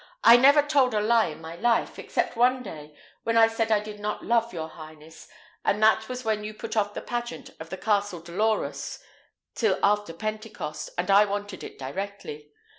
"I never told a lie in my life, except one day when I said I did not love your highness, and that was when you put off the pageant of the Castle Dolorous till after pentecost, and I wanted it directly.